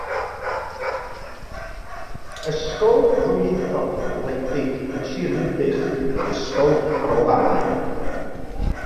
Ysgol ddwyieithog, wledig yn Sir Ddinbych ydy Ysgol Bro Famau.